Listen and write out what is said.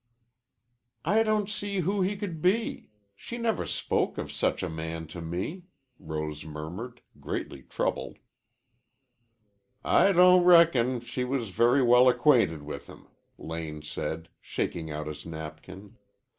"I don't see who he could be. She never spoke of such a man to me," Rose murmured, greatly troubled. "I don't reckon she was very well acquainted with him," Lane said, shaking out his napkin.